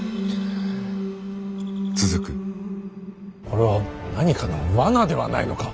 これは何かの罠ではないのか。